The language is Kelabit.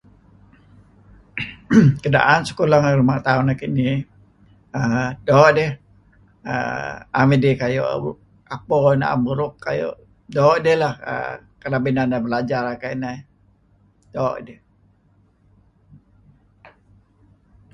Keadaan sekolah ruma tauh nah kinih[aah]doq dih[aah] a'am idih kayuh apo nah ,a'am buruk kayuh, do dih lah[aah], kareb idih inan belajar kayuh inah... do dih.